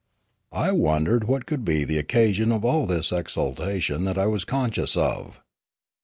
I wondered what could be the occasion of all this exultation that I was conscious of.